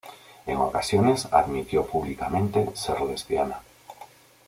En ocasiones admitió públicamente ser lesbiana.